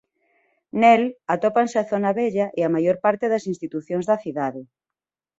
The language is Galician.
Nel atópanse a zona vella e a maior parte das institucións da cidade.